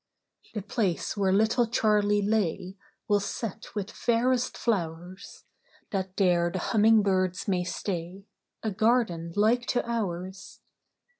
"The place where little Charley lay, We'll set with fairest flowers, That there the humming birds may stay — A garden like to ours.